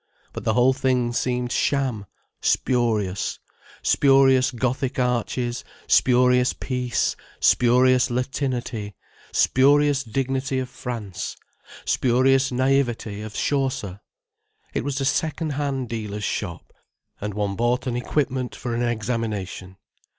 But the whole thing seemed sham, spurious; spurious Gothic arches, spurious peace, spurious Latinity, spurious dignity of France, spurious naïveté of Chaucer. It was a second hand dealer's shop, and one bought an equipment for an examination.